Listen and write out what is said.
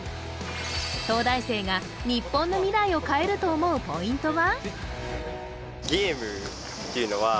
東大生が日本の未来を変えると思うポイントは？